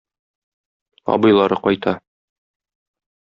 Абыйлары кайта.